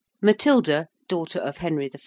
~Matilda~, daughter of Henry I.